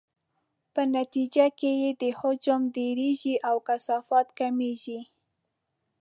په نتیجې کې یې حجم ډیریږي او کثافت کمیږي.